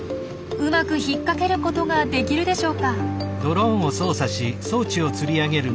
うまく引っ掛けることができるでしょうか？